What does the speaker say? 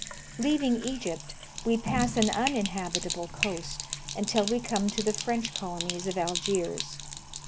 Leaving Egypt, we pass an uninhabitable coast, until we come to the French colonies of Algiers.